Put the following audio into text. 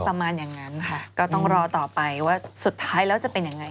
ประมาณอย่างนั้นค่ะก็ต้องรอต่อไปว่าสุดท้ายแล้วจะเป็นยังไง